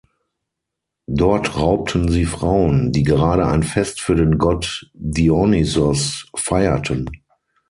Dort raubten sie Frauen, die gerade ein Fest für den Gott Dionysos feierten.